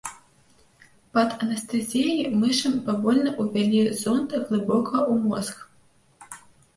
Пад анестэзіяй мышам павольна ўвялі зонд глыбока ў мозг.